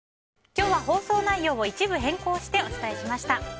今日は放送内容を一部変更してお伝えしました。